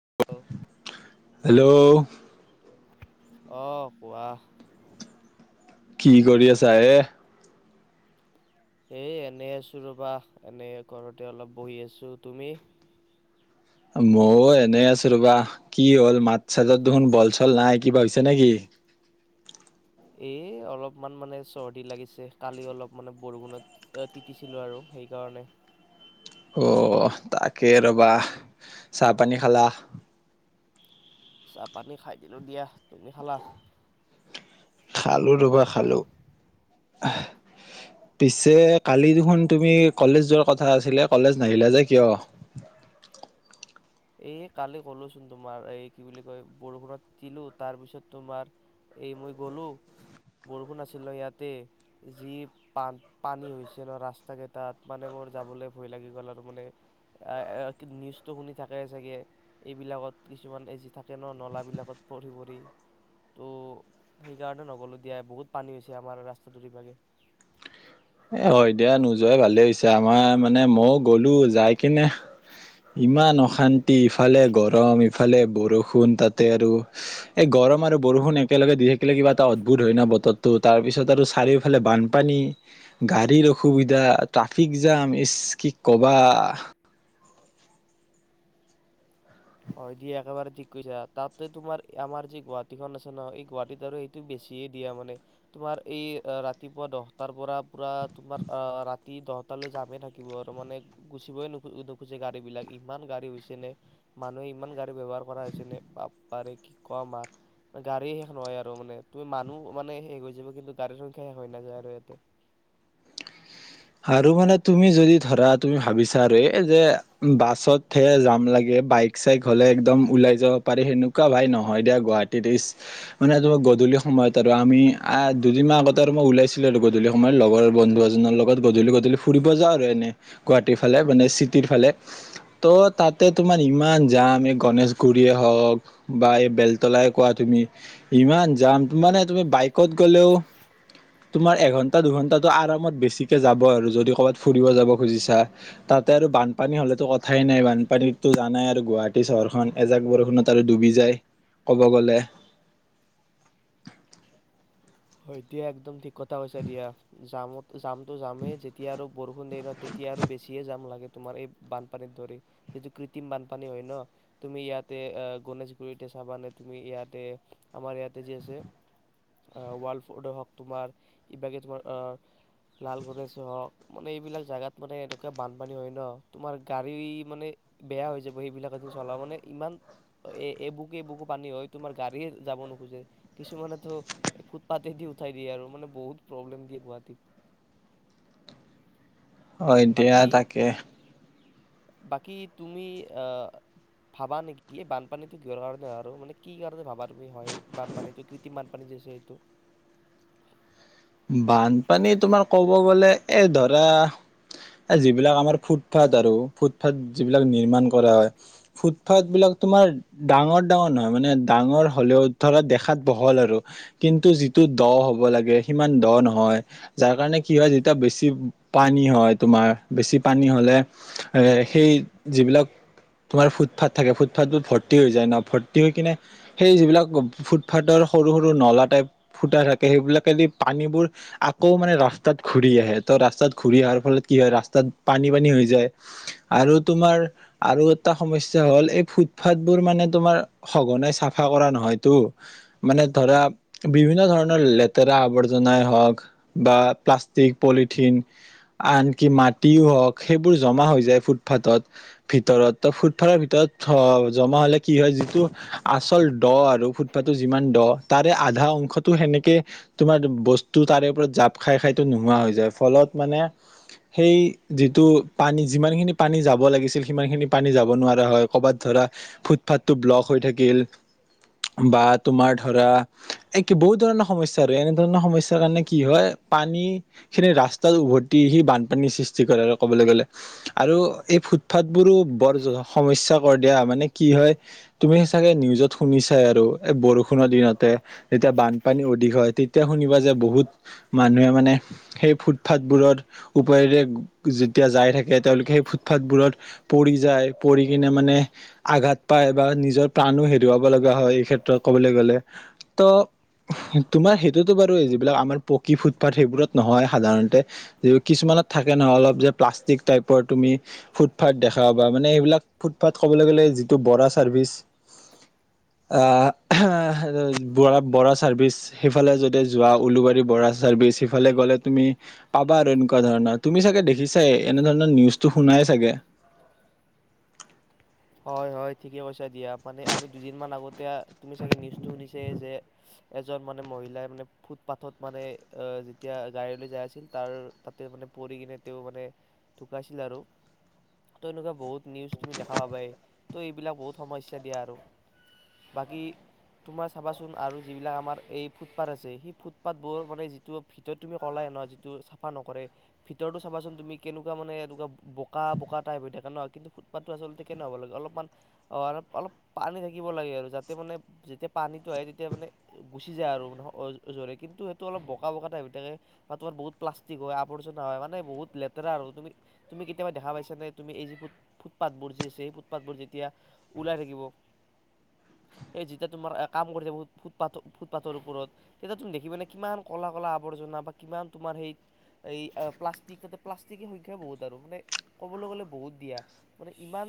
[unintelligible] Hello. অ' কোৱা? কি কৰি আছা এ। এ এনে আছো ৰবা এনে ঘৰতে অলপ বহি আছো। তুমি? মইয়ও এনেই আছো ৰবা কি হ'ল মাত চাতত দেখোন বল চল নাই কিবা হৈছে নেকি? এ অলপমান মানে চৰ্দি লাগিছে কালি অলপ মানে বৰষুণত তিতিছিলো আৰু সেইকাৰণে। অ' তাকে ৰ'বা চাহপানী খালা? চাহ পানী খাই দিলো দিয়া। তুমি খালা? খালো ৰবা খালো, পিছে কালি দেখোন তুমি কলেজ যোৱাৰ কথা আছিলে কলেজ নাহিলা যে কিয়? এই কালি ক'লোচোন তোমাৰ এই কি বুলি কয় বৰষুণত তিতিলো তাৰপিছত তোমাৰ এই মই গ'লো বৰষুণ আছিল ন ইয়াতে যি পান পানী হৈছে ন ৰাস্তা কেইটাত মানে মোৰ যাবলৈ ভয় লাগি গ'ল আৰু মানে নিউজটো শুনি থাকায়ে চাগে এইবিলাকত কিছুমান এজি থাকে ন নলাবিলাকত পৰি পৰি ত' সেইকাৰণে নগ'লো দিয়া বহুত পানী হৈছে আমাৰ ৰাস্তাটো ইবাগে। এ হয় দিয়া নোযোৱাই ভালে হৈছে আমাৰ মানে মইয়ও গলো যাই কিনে ইমান অশান্তি ইফালে গৰম ইফালে বৰষুণ তাতে আৰু এই গৰম আৰু বৰষুণ একেলগে দি থাকিলে কিবা এটা অদ্ভুত হয় ন বতৰটো তাৰপিছত আৰু চাৰিওফালে বানপানী। গাড়ীৰ অসুবিধা, ট্ৰাফিক জাম ইচ কি কবা। হয় দিয়া একেবাৰে ঠিক কৈছা। তাতে তোমাৰ আমাৰ যি গুৱাহাটীখন আছে ন এই গুৱাহাটীত আৰু সেইটো বেছিয়ে দিয়া মানে তোমাৰ এই ৰাতিপুৱা দহটাৰ পৰা পুৰা তোমাৰ ৰাতি দহটালৈ যামেই থাকিব আৰু মানে গুচিব নোখুজে গাড়ী বিলাক ইমান গাড়ী হৈছে নে। মানুহে ইমান গাড়ী ব্যয়ৱহাৰ কৰা হৈছে নে বাপপাৰে কি কম আৰ গাড়ী শেষ নহয় আৰু মানে তুমি মানুহ মানে শেষ হৈ যাব কিন্তু গাড়ীৰ সংখ্যা শেষ হৈ নাযায় আৰু ইয়াতে। আৰু মানে তুমি যদি ধৰা তুমি ভাবিছা আৰু এই যে বাছতহে যাম লাগে বাইক চাইক হ'লে একদম ওলাই যাব পাৰি সেনেকুৱা ভাই নহয় দিয়া গুৱাহাটীত ইচ মানে তোমাৰ গধূলি সময়ত আৰু আমি দুদিনাহ আগতে আৰু মই ওলাইছিলো আৰু গধূলি সময়ত লগৰ বন্ধু এজনৰ লগত। লগত গধূলি গূলি ফুৰিব যাওঁ আৰু এনে গুৱাহাটীৰ ফালে মানে চিটিৰ ফালে ত' তাতে তোমাৰ ইমান জাম এই গণেশগুৰিয়ে হওক বা এই বেলতলাই কোৱা তুমি ইমান জাম মানে তুমি বাইকত গ'লেও তোমাৰ এঘন্টা দুঘন্টাটো আৰামত বেছি। যাব আৰু যদি ক'ৰবাত ফুৰিব যাব খুজিছা তাতে আৰু বানপানী হলেতো কথাই নাই বানপানীততো জানাই আৰু গুৱাহাটী চহৰখন এজাক বৰষুণত আৰু ডুবি যায় কব গ'লে। হয় দিয়া একদম ঠিক। কথা কৈছা দিয়া যামত জাম টো যামেই যেতিয়া আৰু বৰষুণ দিয়ে ন তেতিয়া আৰু বেছিয়ে জাম লাগে। তোমাৰ এই বানপানীত ধৰি যিটো কৃত্ৰিম বানপানী হয় ন তুমি ইয়াতে আ' গনেশগুৰিতে চাবানে তুমি ইয়াতে আমাৰ ইয়াতে যি আছে। ৱাল ফৰ্ড হওক তোমাৰ কিবা তোমাৰ অ' লালগ়নেশেই হওক মানে এইবিলাক জাগাত মানে এনেকুৱা বানপানী হয় ন তোমাৰ গাড়ী মানে বেয়া হৈ যাব সেইবিলাকত যে চলা মানে ইমান এবুকু এবুকু পানী হয় তোমাৰ গাড়ীয়ে যাব নোখোজে। কিছুমানেতো ফুটপাতেদি উঠাই দিয়ে আৰু মানে বহুত প্ৰব্লেম দিয়ে গুৱাহাটীত। হয় দিয়া বাকী তাকে। বাকী তুমি আ' ভাবা নেকি এই বানপানীটো কিহৰ কাৰণে আৰু মানে কি কাৰণে ভাবা তুমি হয় বানপানীটো কৃত্ৰিম বানপানীটো যে এইটো। বানপানী তোমাৰ ক'ব গ'লে। এই ধৰা যিবিলাক আমাৰ ফুটপাথ আৰু ফুটপাথ যিবিলাক নিৰ্মাণ কৰা হয় ফুটপাথ বিলাক তোমাৰ ডাঙৰ ডাঙৰ নহয় মানে ডাঙৰ হ'লেও ধৰা দেখাত বহল আৰু কিন্তু যিটো দ হ'ব লাগে। সিমান দ নহয়। যাৰ কাৰণে কি হয় যেতিয়া বেছি পানী হয় তোমাৰ বেছি পানী হ'লে সেই যিবিলাক তোমাৰ ফুটপাথ থাকে ফুটপাথতো ভৰ্তি হৈ যায় ন ভৰ্তি হৈ কিনে সেই যিবিলাক ফুটপাথৰ সৰু সৰু নলা টাইপ ফুটা থাকে সেইবিলাকেদি পানীবোৰ আকৌ মানে ৰাস্তাত ঘুৰি আহে ত' ৰাস্তাত ঘুৰি অহাৰ ফলত কি হয় ৰাস্তাত পানী পানী হৈ যায় আৰু তোমাৰ আৰু এটা সমস্যা হ'ল এই ফুটপাথ বোৰ মানে তোমাৰ সঘনাই চাফা কৰা নহয়তটো, মানে ধৰা বিভিন্ন ধৰণৰ লেতেৰা আৱৰ্জনা। হওক বা প্লাষ্টিক পলিথিন আনকি মাটিও হওঁক সেইবোৰ জমা হৈ যায় ফুটপাথত ভিতৰত ত' ফুটপাথৰ ভিতৰত জমা হলে কি হয় যিটো আচল দ আৰু ফুটপাথৰ যিমান দ তাৰে আধা অংশটো সেনেকে তোমাৰ। বস্তু তাৰে ওপৰত জাপ খাই খাইতো নোহোৱা হৈ যায়, ফলত মানে সেই যিটো পানী যিমানখিনি পানী যাব লাগিছিল সিমান খিনি পানী যাব নোৱাৰা হয়, কৰবাত ধৰা ফুটপাথটো ব্লক হৈ থাকিল বা তোমাৰ ধৰা এই কি বহুত ধৰণৰ সমস্যা আৰু এনেধৰণৰ সমস্যা কাৰণে কি হয় পানী খিনি ৰাস্তাত উভতি সি বানপানীৰ সৃষ্টি কৰে আৰু কবলৈ গলে আৰু এই ফুটপথ বোৰো বৰ সমস্যা কৰে দিয়া মানে কি হয় তুমি চাগে নিউজত শুনিছাই আৰু এই বৰষুণৰ দিনতে যেতিয়া বানপানী অধিক হয় তেতিয়া শুনিবা যে বহুত মানুহে মানে সেই ফুটফাথবোৰৰ উপৰেৰে যেতিয়া যাই থাকে তেওঁলোকে সেই ফুটফাথবোৰত পৰি যায় পৰি কিনে মানে আঘাত পায় বা নিজৰ প্ৰাণো হেৰুৱাব লগা হয় এই ক্ষেত্ৰত কবলৈ গলে ত তোমাৰ সেইটোতো বাৰু এইবিলাক আমাৰ পকী ফুটপাথ সেইবোৰত নহয় সাধাৰণতে য কিছুমানত থাকে নহয় অলপ যে প্লাষ্টিক টাইপৰ তুমি ফুটপাথ দেখা পাবা মানে এইবিলাক ফুটপাথ কবলৈ গ'লে যিটো বৰা চাৰ্ভিচ আহ ব বৰা চাৰ্ভিচ সেইফালে যদি যোৱা উলোবাৰী বৰা চাৰ্ভিচ সিফালে গলে তুমি পাবা এনেকুৱা ধৰণৰ তুমি চাগে দেখিছাই এনেধৰণৰ নিউজ টো শুনাই চাগে, হয় হয় ঠিকে কৈছা দিয়া মানে আমি দুদিন মান আগতে তুমি চাগে নিউজটো শুনিছে যে এজন মানে মহিলাই মানে ফুটপাথত মানে আহ যেতিয়া গাড়ীলৈ যাই আছিল তাৰ তাতে মানে পৰি কিনে তেওঁ মানে ঢুকাইছিল আৰু ত এনেকুৱা বহুত নিউজ তুমি দেখা পাবাই ত' এইবিলাক বহুত সমস্যা দিয়া আৰু বাকী তোমাৰ চাবাচোন আৰু যিবিলাক আমাৰ এই ফুটপাথ আছে সেই ফুটপাথবোৰ মানে যিটো ভিতৰত তুমি কলাই ন যিটো চাফা নকৰে ভিতৰতটো চাবাচোন তুমি কেনেকুৱা মানে এনেকুৱা বোকা বোকা টাইপ হৈ থাকে ন। কিন্তু ফুটপাথটো আচলতে কেনে হ'ব লাগে? অলপমান অ অলপ পানী থাকিব লাগে আৰু যাতে মানে যেতিয়া পানীতটো আহে তেতিয়া মানে গুচি যায় আৰু মানে জোৰে কিন্তু সেইটো অলপ বোকা বোকা টাইপ হৈ থাকে বা তোমাৰ বহুত প্লাষ্টিক হয় আৱৰ্জনা হয় মানে বহুত লেতেৰা আৰু তুমি তুমি কেতিয়াবা দেখা পাইছা নে তুমি এই যি ফুট ফুটপথ বোৰ যি আছে সেই ফুটপথবোৰ যেতিয়া ওলাই থাকিব এই যেতিয়া তোমাৰ কাম কৰি থাকিব ফুটপাথ ফুটপাথৰ ওপৰত তেতিয়া তুমি দেখিব মানে কিমান কলা কলা আৱৰ্জনা বা কিমান তোমাৰ সেই এই আ প্লাষ্টিক তাতে প্লাষ্টিকৰ সংখ্যাই বহুত আৰু মানে ক'বলৈ গ'লে বহুত দিয়া মানে ইমান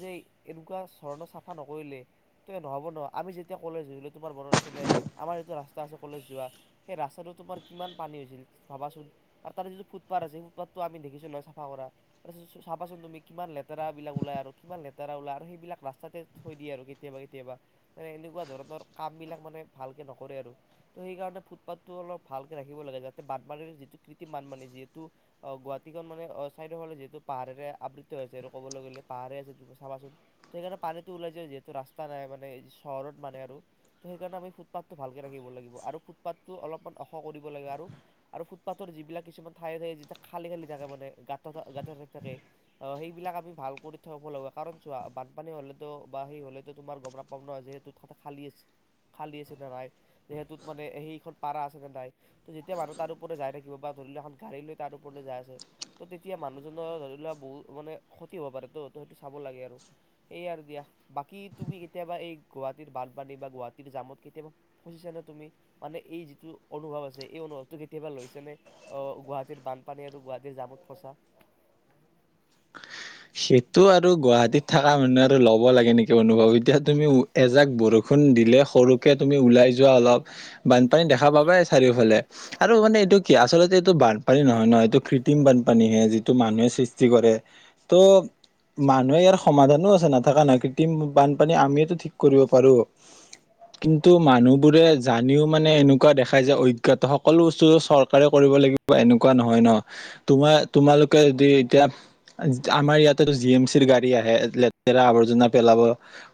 যে এনেকুৱা ধৰণৰ চাফা নকৰিলে তো নহ'ব ন আমি যেতিয়া কলেজ ধৰিলো তোমাৰ মনত আছে নাই আমাৰ যিটো ৰাস্তা আছে কলেজ যোৱা সেই ৰাস্তাটো তোমাৰ কিমান পানী হৈছিল ভাবাচোন আৰু তাৰে যিটো ফুটপাথ আছে ফুটপাথটো আমি দেখিছোঁ নয় চাফা কৰা তাৰপিছত চাবাচোন তুমি কিমান লেতেৰাবিলাক ওলাই আৰু কিমান লেতেৰা ওলাই আৰু সেইবিলাক ৰাস্তাতে থৈ দিয়ে আৰু কেতিয়াবা কেতিয়াবা মানে এনেকুৱা ধৰণৰ কাম বিলাক মানে ভালকে নকৰে আৰু ত সেইকাৰণে ফুটপাথটো অলপ ভালকে ৰাখিব লাগে যাতে বানপানীৰ যিটো কৃত্ৰিম বান মানে যিহেতু অ গুৱাহাটীখন মানে চাইদৰ ফালে যিহেতু পাহাৰেৰে আবৃত হৈছে আৰু ক'বলৈ গ'লে পাহাৰে চাবাচোন সেইকাৰণে পানীটো ওলাই যায় যিহেতু ৰাস্তা নাই মানে চহৰত মানে আৰু ত সেইকাৰণে আমি ফুটপাথটো ভালকে ৰাখিব লাগিব আৰু ফুটপাথটো অলপমান ওখ কৰিব লাগে আৰু আৰু ফুটপাথৰ যিবিলাক কিছুমান ঠায়ে ঠায়ে যেতিয়া খালি খালি থাকে মানে গাঁত থকা গাঁত ঠাই থাকে আ সেইবিলাক আমি ভাল কৰি থব লগা কাৰণ চোৱা বানপানী হ'লেতো বা সেই হলেতো তোমাৰ গম নাপাম ন যে তো থা থা খালি আছে খালি আছে নে নাই যিহেতুত মানে সেইখন পাৰা আছে নে নাই ত' যেতিয়া মানুহ তাৰ ওপৰে যাই থাকিব বা ধৰি লোৱা এখন গাড়ী লৈ তাৰ ওপৰলৈ যাই আছে ত' তেতিয়া মানুহজনৰ ধৰি লোৱা বহুত মানে ক্ষতি হ'ব পাৰে ত ত সেইটো চাব লাগে আৰু সেয়াই আৰু দিয়া বাকী তুমি কেতিয়াবা এই গুৱাহাটীৰ বানপানী বা গুৱাহাটীৰ জামত কেতিয়াবা ফচিছানে তুমি মানে এই যিটো অনুভৱ আছে এই অনুভৱ টো কেতিয়াবা লৈছা নে অহ গুৱাহাটীৰ বানপানী আৰু গুৱাহাটীৰ জামত ফচা সেইটো আৰু গুৱাহাটীত থাকা মানুহে আৰু ল'ব লাগে নেকি অনুভৱ এতিয়া তুমি এজাক বৰষুণ দিলে সৰুকে তুমি উওলাই যোৱা অলপ বানপানী দেখা দেখা পাবাই চাৰিওফালে আৰু মানে এইটোক কি আচলতে এইটো বানপানী নহয় নহয় এইটো কৃত্ৰিম বানপানীহে যিটো মানুহে সৃষ্টি কৰে ত' মানুহে ইয়াৰ সমাধানো আছে নাথাকা নহয় কৃত্ৰিম বানপানী আমিয়ো ঠিক কৰিব পাৰোঁ, কিন্তু মানুহবোৰে জানিও মানে এনেকুৱা দেখাই যে অজ্ঞাত সকলো বস্তু চৰকাৰে কৰিব লাগিব এনেকুৱা নহয় ন' তোমাৰ তোমালোকে যদি এতিয়া আমাৰ ইয়াতেতো জি এম চিৰ গাড়ী আহে লেতেৰা আৱৰ্জনা পেলাব,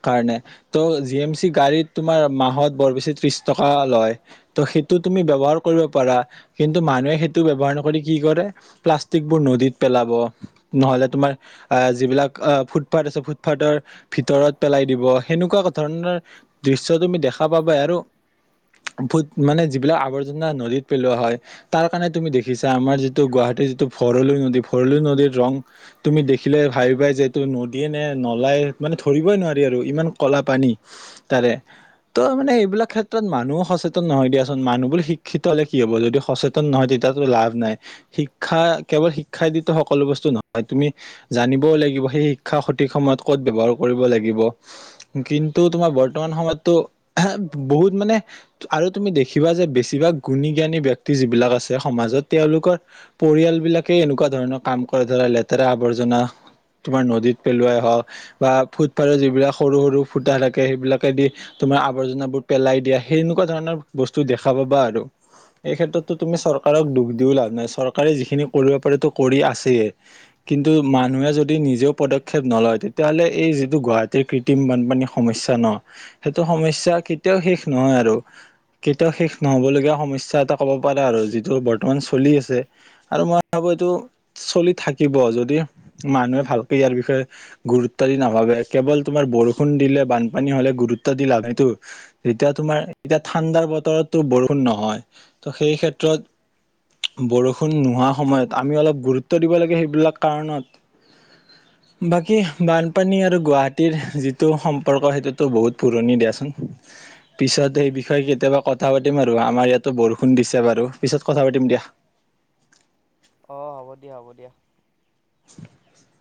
কাৰণে ত' জি এম চি গাড়ীত তোমাৰ মাহত বৰ বেছি ত্ৰিশ টকা লয়, ত' সেইটো তুমি ব্যৱহাৰ কৰিব পাৰা, কিন্তু মানুহে সেইটো ব্যৱৱহাৰ নকৰি কি কৰে প্লাষ্টিকবোৰ নদীত পেলাব। নহ'লে তোমাৰ, আহ যিবিলাক আহ ফুটপাথ আছে ফুটপাথৰ ভিতৰত পেলাই দিব সেনেকুৱা ধৰণৰ, দৃশ্য তুমি দেখা পাবাই আৰু, ফুট মানে যিবিলাক আৱৰ্জনা নদীত পেলোৱা হয় তাৰ কাৰণে তুমি দেখিছা আমাৰ যিটো গুৱাহাটীৰ যিটো ভৰলু নদী ভৰলি নদীৰ ৰং তুমি দেখিলে ভাবি পাই যে এইটো নদীয়ে নে নলাই মানে ধৰিবই নোৱাৰি আৰু ইমান ক'লা পানী, তাৰে, ত' মানে এইবিলাক ক্ষেত্ৰত মানুহো সচেতন নহয় দিয়াচোন মানুহবোৰ শিক্ষিত হলে কি হব যদি সচেতন নহয় তেতিয়াতো লাভ নাই, শিক্ষা কেৱল শিক্ষাই দিয়েতো সকলো বস্তু ন হয় তুমি জানিবও লাগিব সেই শিক্ষা সঠিক সময়ত ক'ত ব্যৱহাৰ কৰিব লাগিব কিন্তু তোমাৰ বৰ্তমান সময়তটো বহুত মানে আৰু তুমি দেখিবা যে বেছিভাগ গুণী জ্ঞানী ব্যক্তি যিবিলাক আছে সমাজত তেওঁলোকৰ পৰিয়ালবিলাকে এনেকুৱা ধৰণৰ কাম কৰ ধৰা লেতেৰা আৱৰ্জনা, তোমাৰ নদীত পেলোৱাই হওঁক বা ফুটপাথৰ যিবিলাক সৰু সৰু ফুটা থাকে সেইবিলাকে দি তোমাৰ আৱৰ্জনাবোৰ পেলাই দিয়া সেনেকুৱা ধৰণৰ বস্তু দেখা পাবা আৰু, এই ক্ষেত্ৰতো তুমি চৰকাৰক দুখ দিও লাভ নাই চৰকাৰে যিখিনি কৰিব পাৰ তো' কৰি আছেই। কিন্তু মানুহে যদি নিজেও পদক্ষেপ নলয় তেতিয়াহ'লে এই যিটো গুৱাহাটীৰ কৃত্ৰিম বানপানী সমস্যা ন' সেইটো সমস্যা কেতিয়াও শেষ নহয় আৰু, কেতিয়াও শেষ নহব লগীয়া সমস্য়া এটা কব পাৰা আৰু যিটো বৰ্তমান চলি আছে আৰু মই ভাবো এইটো চলি থাক শিকিব যদি, মানুহে ভালকে ইয়াৰ বিষয়ে, গুৰুত্ব দি নাভাবে কেৱল তোমাৰ বৰষুণ দিলে বানপানী হ'লে গুৰুত্ব দি লাভ সেইটো যেতিয়া তোমাৰ এতিয়া ঠাণ্ডা বতৰতো বৰষুণ নহয়, ত' সেই ক্ষেত্ৰত, বৰষুণ নোহোৱা সময়ত আমি অলপ গুৰুত্ব দিব লাগে সে এইবিলাক কাৰণত, বাকী বানপানী আৰু গুৱাহাটীৰ যিটো সম্পৰ্ক সেইটোতো বহুত পুৰণি দিয়াচোন, পিছত সেই বিষয়ে কেতিয়াবা কথা পাতিম আৰু আমাৰ ইয়াতো বৰষুণ দিছে বাৰু পিছত কথা পাতিম দিয়া। অ', হ'ব দিয়া হ'ব দিয়া। [inaudible]